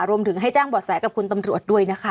รวมถึงให้แจ้งบ่อแสกับคุณตำรวจด้วยนะคะ